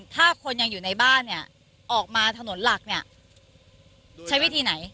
ถ้าคนยังอยู่ในบ้านเนี่ยออกมาถนนหลักเนี่ยใช้วิธีไหน